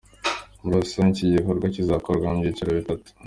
Muri rusange iki gikorwa kizakorwa mu byiciro bitatu.